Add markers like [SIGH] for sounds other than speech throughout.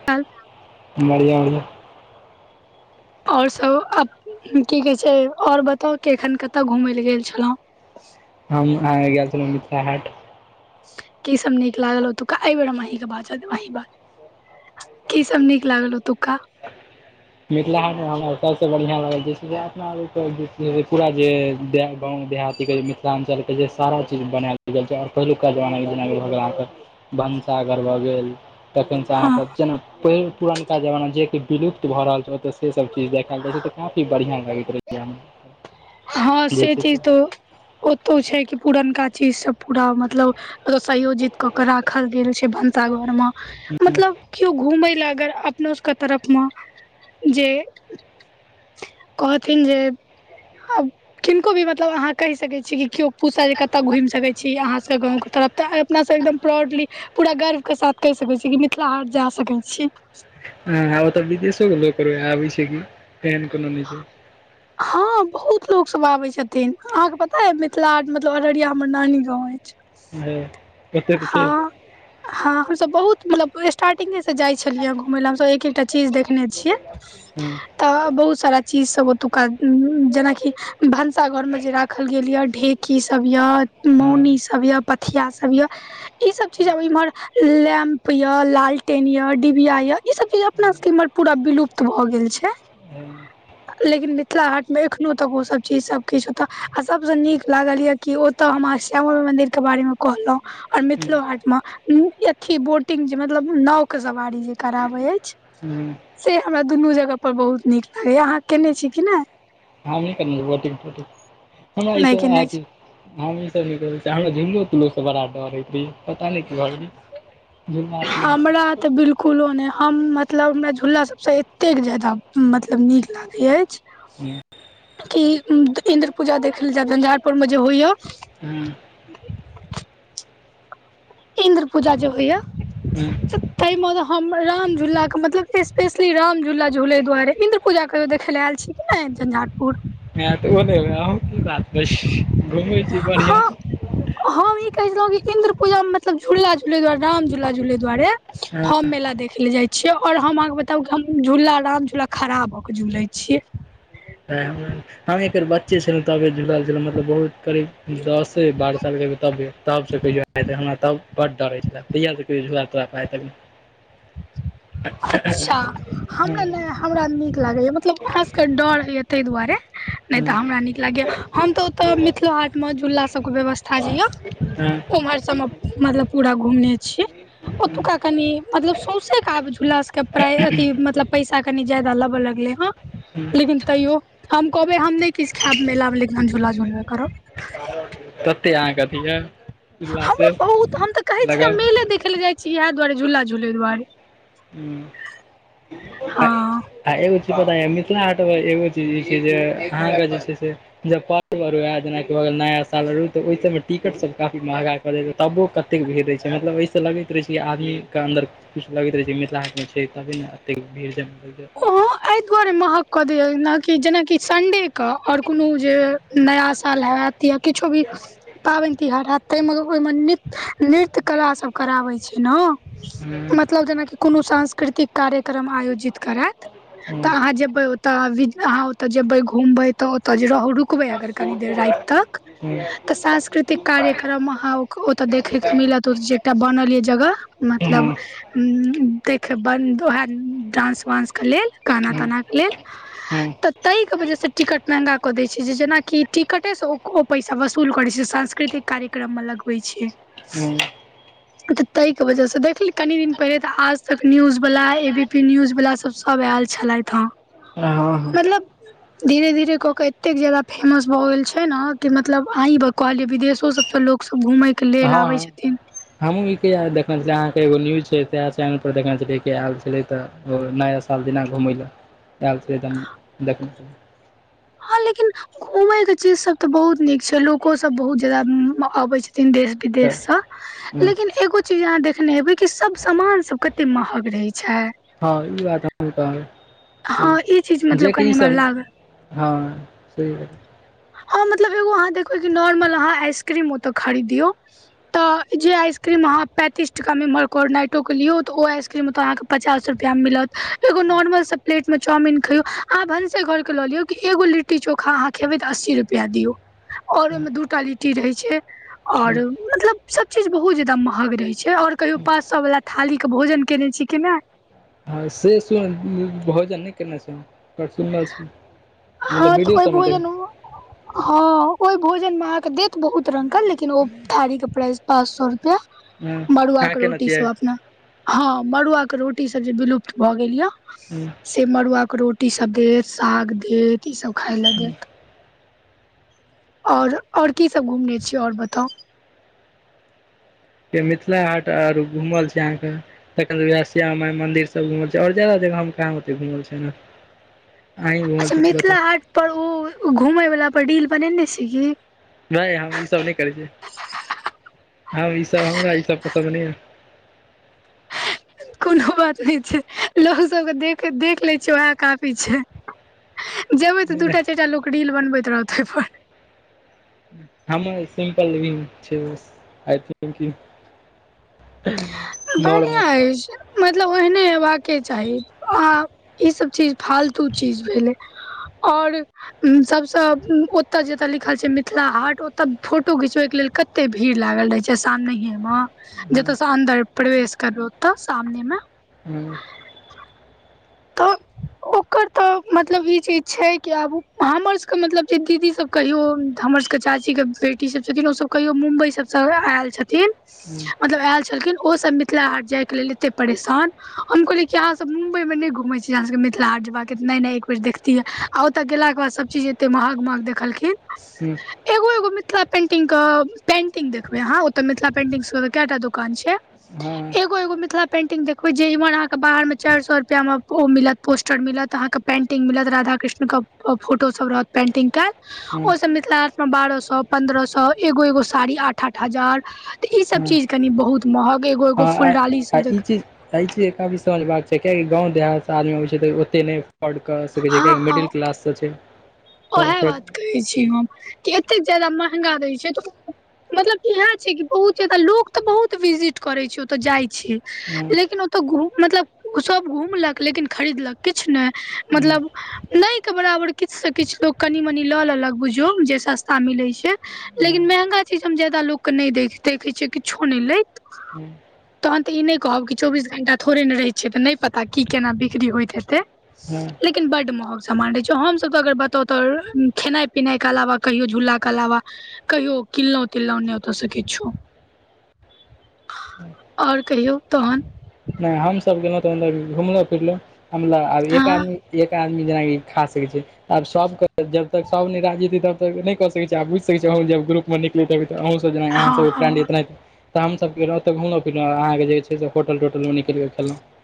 [UNINTELLIGIBLE] [INAUDIBLE] और सब अब की कहै छैय और बताउ कि एखन कता घुमय ले गेल छलौ। हम आय गेल छलौ मिथला हाट। की सब नीक लागल ओतोका एयबेर हम अहीं के बाजै देबे अहीं बाजु। की सब नीक लागल ओतुका। मिथला हाटमे हमरा सबसे बढ़ियाँ लागल जे शुरुआतमे आबे पर जे छैय पूरा जे देह गाँव देहात की कहै छैय मिथलांचल के जे सारा चीज बनाएल गेल छैय और पेहलुका जमाना के जेना कि भऽ गेल अहाँके भनसा घर भऽ गेल, तखन से अहाँ हँ के जेना पेग पुरनका जमाना जे कि विलुप्त भऽ रहल छैय, ओता से सब चीज देखाएल जाय छैय ते काफी बढ़िया लगैत रहय या। हाँ से चीज तो ओतौ छैय कि पुरनका चीज सब पूरा मतलब पूरा सयोजित कऽ के राखल गेल छैय भनसाघरमे मतलब केओ घुमय लाय अगर अपनो सबके तरफ मऽ जे कहथिन जे अब किनको भी मतलब अहाँ कहि सके छी कि केओ पूछतैथ जे कतय घुम सकै छी अहाँ सब गाँं के तरफ। तऽ अपनासब एकदम प्राउडली पूरा गर्वके साथ कहि सकै छीयै कि मिथिला हाट जा सकै छी। हाँ आ ओतऽ विदेशो के लोक आबै छैय की तेहन कोनो ने छैय। हँ बहुत लोकसब आबै छथिन अहाँके पता यइ मिथिलाहाट मतलब अररिया हमर नानी गाँंव एइछ। हैय हँ। हँ हमसब बहुत मतलब स्टार्टिंगे से जाइ छलियै घूमैय लए हमसब एक- एकटा चीज देखने छियै। हूँ। तऽ बहुत सारा चीज सब ओतुका जेनाकि भनसा घर में जे राख खल गेल या ढेकी सब या, हँ मौनी सब या, पथिया सब या। ई सब चीज अब इम्हर लैम्प यअ लालटेन यअ डिबिया यअ इ सब चीज अपना सब के इम्हर पूरा विलुप्त भए गेल छै। आ लेकिन मिथिला हाट में एखनो तक ओ सब चीज सब किछ ओतऽ आ सबस नीक लागल ये कि ओतऽ हमरा श्यामा माई मंदिर के बारे मे कहलौ और ह मिथिलो हाट मे अथी बोटिंग जे मतलब नाव के सवारी जे कराबे अइछ। हूँ। से हमरा दुनू जगह पर बहुत नीक लागैया आहाँ केने छी कि नै। हम नै करने छी बोटिंग हमरा नहि इसब आहाँ केने छी के हम ई सब नै करै छी हमरा झुल्लो तुलो से बड़ा डर होइत रहयै पता नै कीया। हमरा तऽ बिल्कुलो नै हम मतलब हमरा झूला सबसँ एतेक जादा मतलब नीक लागै अइछ। कि इन्द्र पूजा देखै लै जैब झंझारपुर मे जे होइया। हूँ। इन्द्र पूजा जे होइया। हँ ताहिमे हम राम झुलाके मतलब स्पेशली राम झुला झूलेै दुआरे इन्द्र पूजा कहियो देखेै लए अल छी कि नै झंझारपुर [UNINTELLIGIBLE] अहूँ की बात बस घुमै छी हँ बढ़िआं सँ। हम ई कहेै छेलौ कि इन्द्र पूजा मे मतलब झूला झूलेै दुआरे राम झूला झूलेै दुआरे हँ हम मेला देखे ले जाइ छीयै और हम अहाँके बताउ हम झूला राम झूला खड़ा भऽ के झूलेै छियै। तें हमरा हम एकर बेर बच्चे छेलौ तबे झुलल छेलौ मतलब बहुत करीब दसे बारह साल के हेहै तबे तबसँ हमरा तब से बड डर होय छेल्ला तहिय से फेर झूला [UNINTELLIGIBLE] तब अच्छा हमरा नै हमरा नीक लागैया मतलब खास क ऽ डर होइय। तैय दुआारे नैय हँ तऽ हमरा नीक लागैया हम तऽ ओतऽ मिथिलो हाटमे झूला सबके व्यवस्था जे यअ। हँ उम्हर सबमे मतलब पूरा घुमने छीयै हँ ओतुका कनि मतलब सौ सें के आब झूला सब के पराय मतलब पैसा कनि जादा लेबअ लगलेै हन हँ लेकिन तैयो हम कहबै हम नै किछ खेएब मेला मे लेकिन हम झूला झूलबे करब। तते अहाँके अथी य हमरा उल्लासे बहुत हम तऽ कहै छियै लगब मेले देखै ले जाय छी छी इहे दुआरे झूला झूलै दुआरे हँ [UNINTELLIGIBLE] आ एगो चीज पता यऽ मिथिला हाट मे एगो चीज ई छै जे आहाँके जे छै से जब पर्व आरु जेनाकी भऽ गेल नया साल तऽ ओय सब मे टिकट सब काफी महंगा तबो कते भीड़ रहै छै मतलब एहिस लगैत रहे छै कि आदमी के अन्दर कुछ लगैत रहे छै। मिथिला हाटमे छै तभी ने एतेक भीड़ जे हँ अइ ताहि दुआरे महग कऽ द या जेनाकि सण्डेके और कोनो जे नया साल हैत। या किछो भी पाबनि तिहार हैत ताहि मगर ओहिमे निक नृत्य कला सब कराबै छै ने मतलब जेनाकि कोनो सांस्कृतिक कार्यक्रम आयोजित करैत तऽ अहाँ जेबै ओ त विद अहाँ ओते जेबे घूमबे त ओत रहू रु रुकबे अगर कनि देर राइत तक तऽ संस्कृतिक कार्यक्रम अहाँ ओतऽ देखे के मिलत। तऽ ओत जे बनल यै जगह हँ मतलब ह हँ देख बन्द उएह डांस वांस के लेल गाना हँ ताना के लेल हँ तऽ ताहिके वजहसँ टिकट महंगा कऽ दैत छै जे जेनाकि टिकटेसँ ओ ओ पैसा वसूल करै छै सांस्कृतिक कार्यक्रम मे लगबै छै। हुं। तऽ ताहिके वजहसँ देखली कनि दिन पहिले तऽ आज तक न्यूजवला ए बी पी न्यूजवलास सभ आयल छलथि हँ। हँ हँ। मतलब धीरे धीरे कऽ क एतेक ज्यादा फेमस भऽ गेल छै ने कि मतलब आँही ब कहलियौ विदेशो सब त लोको सब घूमेै हँ हँ। हमू देखने छल अहाँ के एगो न्यूज छै त चैनल पर देखने छल आयल त नाया साल दिना घुमय लए आएल छै त देख हँ लेकिन घूमेय के चीज सब तऽ बहुत नीक छै लोको सब बहुत जादा अबय छथिन देश विदेश तऽ सऽ। लेकिन एगो चीज अहाँ देखने हेबै कि सब सामान सब कते महग रहै छै। हँ इ बात हमहु हँ ई चीज कहब मतलब जेकी कनि इ हमरा सब लागल हँ सही बात हँ मतलब एगो अहाँ देखबै की नॉर्मल अहाँ आइसक्रीम ओतऽ खरीदियौ। तऽ जे आइसक्रीम अहाँ पैंतीस टका मे एमहर कोरनाइटोक के लियौ तऽ ओ आइसक्रीम ओतऽ अहाँके पचास रूपया मे मिलत एगो नॉर्मल स प्लेट में चाउमिन खइयौ आहाँ भनसे घर के ल लियौ एगो लि लिट्टी चोखा अहाँ खेबै तऽ अस्सी रुपया दियऔ और ओहिमे दूटा लिट्टी रहै छै। और मतलब सब चीज बहुत जदा महग रहे छै और कहियो पाँच सौ वाला थाली के भोजन केयने छी कि नै। हँ से सु भोजन नहि केने छै सुनल छी। मतलब हँ तऽ वीडियो ओइ सबमे देख भोजन म हँ ओहि भोजन में अहाँके देत बहुत रंग के लेकिन ओ थारी के प्राइस पाँच सौ रुपया। मरुआ अहाँ के केने रोटी सब छियै अपना हँ मड़ुआ के रोटी सब जे विलुप्त भ गेल यए। हु। से मड़ुआके रोटी सब देत साग देत ई सब खाइ लऽ देत। और और कीसभ घुमने छी और बताउ। मिथिला हाट आर घूमल छी अहाँके तखन याह श्याम माइ मन्दिर सब घुमल छी और जादा जगहमे हम कहाँ ओते घुमल छै ना। अच्छा मिथिला हाट पर ओ घुमे वला पर रील बनेने छी की? नहि हम ई सब नहि करै छी हम ई सब हमरा ई सब पसन्द नहि या। कोनो बात नहि छै लोक सबके देखे देख लै छियै उएह काफी छै। जेबै तऽ नहि नहि दूटा चारि टा लोक रील बनबैत रहत ओहिपर। हमुंह सिम्पल रिंग छै आइ [UNINTELLIGIBLE] [UNINTELLIGIBLE] बरिआँ अछि। मतलब ओहने हेबाके चाही आ इसभ चीज फालतू चीज भेलै। और सब सँ ओत जत लिखल छै मिथिला हाट ओत फोटो घिचबै के लेल कत एते भीड़ लागल रहे छै सामनेेहिए म, जतय हँ स अन्दर प्रवेश करो ओतअ सामने मे। [UNINTELLIGIBLE] तऽ ओकर तऽ मतलब इ चीज छै कि आब हमर सबके मतलब दीदी सब कहियो हमर सबके चाची के बेट ी सब छथिन ओसभ कहियो मुम्बई सब सँ ऐल छथिन। हँ मतलब ऐल छलखिन ओसभ मिथिला हाट जायके लेल एते परेशान हम कहलिये कि आहाँ सब मुमबई मे नै घुम घुमै छीये अहाँ सब के मिथिल हाट जेबाक आय नै - नै एक बेेर देखतियै आ ओतऽ गेलाके बाद सभचीज एते महग - महग देखलखिन। हँ [UNINTELLIGIBLE] एगो - एगो मिथिला पेंटिंग क पेंटिंग देखबै अहाँ, ओत मिथिला पेंटिंग सब केएटा दुकान छै। हँ एगो - एगो मिथिला पेंटिंग देखबै, जे इमहर अहाँके बाहर में चैर सो रुपया मे ओ मिलत, पोस्टर मिलत, अहाँके पेंटिंग मिलत, राधााकृष्ण क फोटो सब रहत पेंटिंग के। हँ हँ ओ सब मिथिला हाट मे बारह सौ पन्द्रह सौ एगो - एगो साड़ी आठ - आठ हजार। त इ सब हँ चीज कनि बहुत महग एगो - एगो आ फुलडाली आ सब इ देख चीज, एहि चीज एकरा भी समझबाक चाही किएकि गाँव देहात सँ आदमी अबै छै तऽ ओते नै पढ़ कऽ सकै छै कियाकि मिडिल क्लास सँ छै। तऽ ओहे फेर बात कहै छी हम कि एतेक जैदा महंगा दै छै तऽ मतलब इहे छै कि बहुत जैदा लोक तऽ बहुत विजिट करै छै ओतऽ जाइ छै। हँ लेकिन ओतऽ घुम मतलब सब घूमलक लेकिन खरीदलक किछ नै। हँ मतलब नै के बराबर किछ सँ किछु लोक कनि मनि लऽ लेलक बुझयौ जे सस्ता मिलै छै। हँ लेकिन मेहंगा चीज हम ज्यादा लोक केँ नै देख देखै छियै किछो नै लैत। [INAUDIBLE] तहन तऽ इ नै कहब कि चौबीस घंटा थोड़े ने रहै छियै, तऽ नै पता की केना बिक्री होइत हेतै। हँ लेकिन बड महग समान रहै छै हम सब तऽ अगर ब तो तोर खेनाइ पिनाइ के अलावा कहियो झूला के अलावा कहियौ किनलौ- तिनलौ नै ओतो स किछो। और कहियौ तहन? नै हमसब गेलहुं तहन त घुमलौ फिरलौ हम ल अब एक अहाँ आदमी छियै। के आदमी जेना कि खा सकै छै। आब सबके जब तक सब नै राहजिते तब तक नै कऽ सकै छै आहा बुइझ सकै छिये, जब ग्रुप मे निकलू त आहू सब जेना की आहा हँ सबके फ्रेंड हँ ऐय तेनहते हमहू सब घुमलौ फिरलौ, अहाँ केजे छै होटलट तोट तुलमनी के लिए तलना [UNINTELLIGIBLE]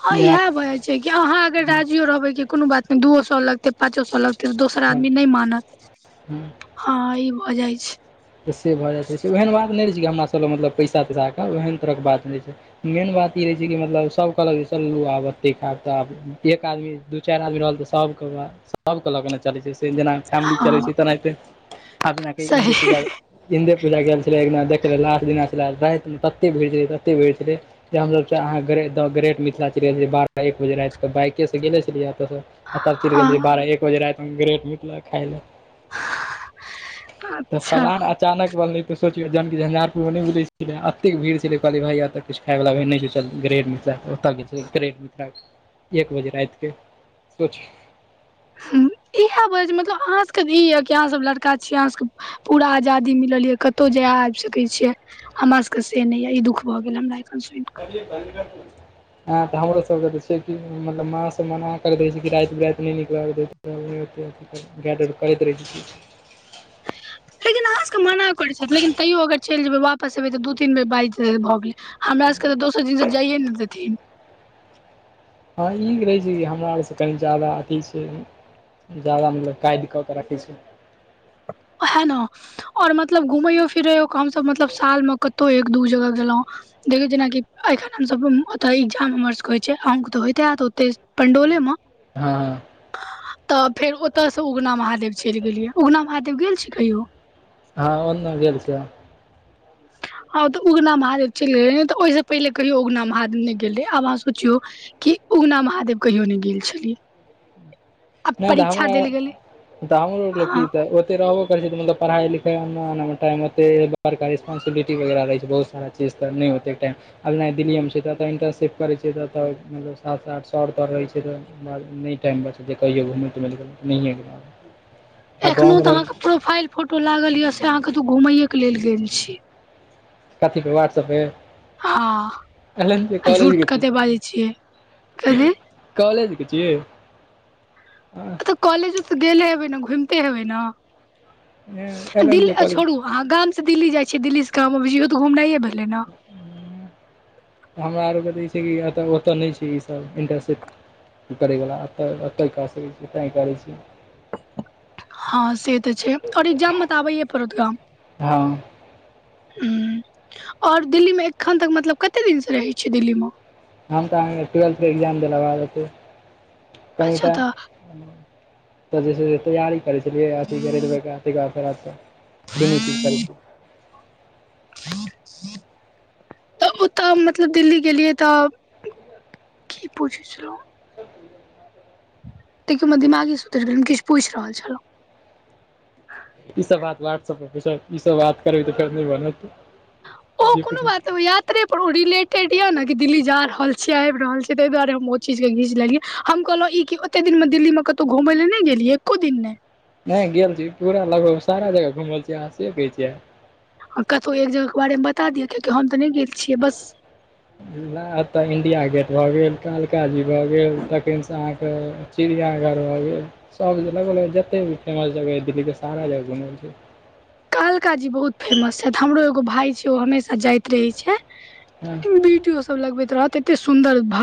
ह इहे भ जाय छै कि अहाँ अगर राजियो रहबै कि कोनो बात में दूओ सौ लगतै पाँचो सौ लगतै त दोसर हँ आदमी नै मानत ह ई भ जै छै। त से भऽ जाइतै छै ओहन बात नै रह छै कि हमसभ ल मतलब पैसा तैसा क ओहन तरहक बात नै छै। मेन बात इ रहे छै कि मतलब सब कहलक जे चलू आब एते खैब तैब एक आदमी चैर आदमी रहल तऽ सबके बात सबके ल गैलेथ। चलै छै जेना फैमिली हँ चलै छै तनाहिते जेनाक सही इन्द्रे पूजा। इन्दे पूजा गेल छलै एक दना देखै लास्ट दिना छलै राइतमे तत्ते भीड़ छलै तत्ते भीड़ छलै। जे हमसभ छीयेअहाँ ग्रेट के ग्रेट मिथिला छी बारह एक बजे रातिके बाइके से गेले छलियै एत आ तब चइल गेलिय हँ बारह एक बजे राति ग्रेट मिथिला खाय लए। [INAUDIBLE] पलान अचानक बनलै तऽ सोचियौ जहनकि झञ्झारपुरमे नहि बुलै छलै अतेक भीड़ छलै कहलियै भाइ तक किछु खाय वला ओह नहि छैय ग्रेट मिथिला ओत ग्रेट मिथिला एक बजे राइतके सोचयौ। हं इएह बज छैय मतलब अहाँ सभके ई यऽ कि अहाँसभ लड़का छियै अहाँ सभके पूरा आजादी मिलल यऽ कतहु जाय आयब सक ै छिय हमरा सब के से नहि य ई दुख भए गेल हमरा एखन सुनि कऽ। ए बन्द कर। ह तऽ हमरो सबके तऽ छैय कि मतलब माँ सब मना कर रहै छैय कि राइत बिराइत नै नीकलल कर। [UNINTELLIGIBLE] क रैत रहे छी। लेकिन अहाँ सबके मना करैत छथि लेकिन तैयो अगर चलि जेबै वापस एबै तऽ दू तीन बेर बाय भऽ गेलै। हमरा सबके तऽ दोसर दिनसे जाइए ने देथिन हँ ई त रहै छैय कि हमरा आरसँ कनि जादा अथी छैय। जादा मिलत काइज कऽ के रखै छी। है न। और मतलब घुमैयो फिरैयो के हमसभ मतलब सालमे कतहु एक दू जगह गेलहुँ। देखियौ जेनाकि एखन हमसभके ओतो एग्जाम हमर सबके होइ छैय अहूँके तऽ होइत हैत ओते पंडौले मे। हँ। तऽ फेर ओतोसँ उगना महादेव चलि गेलियै उगना महादेव गेल छी कहियो। हँ ओनो गेल छी हम। हँ तऽ उगना महादेव चइल गेलियै नै तऽ ओहि स पहिले कहियो उगना महादेव नै गेल रहियै आब अहाँ सोचियौ कि उगना महादेव कहियो नै गेल छलि। नहि तऽ हमरा द हमरलो की हँ त ओतय रहबो करै छैय तऽ मतलब पढ़ाई-लिखाई एना-ओना में टाइम ओतय बार करि रिस्पॉन्सबिलिटी वगैरह रहे छैय बहुत सारा जिस पर नहि होते टाइम। आब नहि दिल्लीए में छैयतऽ इंटरशिप करैत छै तऽ मतलब सात-आठ साल पढ रहै छैय तऽ नहि टाइम बचते जे कहियौ घूमय तुमै लऽ नहिए गेल। एखनो तऽ अहाँके प्रोफाइल फोटो लागल या से अहाँ कतौ घूमये के लेल गेल छी। कथी पे व्हाट्सअप पे। हँ एल-एन-जे आ कॉलेज झूठ गेल कते बाजै छियै छैय। कथी कॉलेज के छियै। तऽ कॉलेजो तऽ गेले हेबै न घुइमते हेबै एल न एम दिल्ली जे आ कॉलेज छोड़ू। अहाँ गाम स दिल्ली जाइ छियै दिल्ली स गाम अबै छियै इहो तऽ घुमनाइे भेलै न। हमरा आरके तऽ ई छैय कितऽ ओतऽ नहि छैय ई सब इन्टरशिप करैवला एतऽ, एतऽ कऽ सकै छी तैं करै छी। हँ से तऽ छैय और एकग्जाम में तऽ आबैयए पड़त गाम। हँ हूं और दिल्ली में एखन तक मतलब कते दिन स रहै छीये दिल्ली मऽ। हम तऽ अहाँके टुएल्थ के एग्जाम देला बाद एतय अच्छा कनिटा तऽ तऽ जे छैय से तैयारी करै छलियै अथी खरीदबैके अथ दुनू चीज करै छी। [INAUDIBLE] तऽ उतऽ मतलब दिल्ली गेलियै तऽ की पूछै छेलौं। देखियौ हम्मर दिमागे स उतैर गेल किछ पूइछ रहल छलौं ई सब बात व्हाट्सप पुछबाक ई सब बात करबै तऽ पाइ नै बनत ओहो जे कुनु पूछब बात यात्र त्रे पर ओ रिलेटेड यै न कि दिल्ली जा रहल छियै आइब रहल छियै तहि दुआारे हम ओ चीज के घीच लेलियै हम कहलहुं ई कि ओते दिन में दिल्ली में कतौ घुमय लए नै गेलियै एको दिन नै नहि गेल छी पूरा लगभग सारा जगह घूमल छी अहाँ से कहै छियै कतौ एक जगह के बारे में बता दिय कियाकि हम तऽ नै गेल छियै बस ना अतऽ इण्डिया गेट भऽ गेल कालकाजी भऽ गेल तखैन स अहाँके चिड़ियाघर भऽ गेल सब लगभग-लगभग जते भी फेमस जगह अइ दिल्ली के सारा जगह घुमल छियै कलकाजी बहुत फेमस छैथ हमरो एगो भाय छै ओ हमेशा जाइत रहै छै हँ बीडियो सब लगबैत रहत एते सुन्दर भ